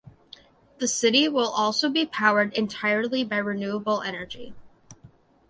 The city will also be powered entirely by renewable energy.